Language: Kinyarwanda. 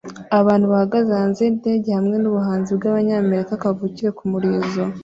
Abantu bahagaze hanze yindege hamwe nubuhanzi bwabanyamerika kavukire kumurizo